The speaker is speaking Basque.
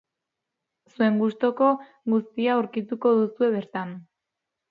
Zuen gustuko guztia aurkituko duzue bertan.